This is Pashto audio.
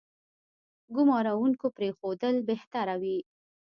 ګومارونکو پرېښودل بهتره وي.